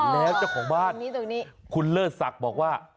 แล้วเจ้าของบ้านคุณเลิศศักดิ์บอกว่า